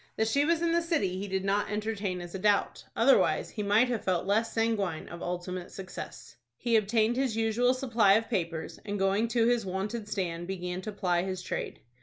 That she was in the city he did not entertain a doubt. Otherwise, he might have felt less sanguine of ultimate success. He obtained his usual supply of papers, and going to his wonted stand began to ply his trade.